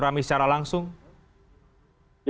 pertama apa yang sudah anda lakukan